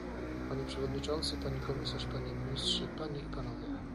Panie przewodniczący, pani komisarz, panie ministrze, panie i panowie!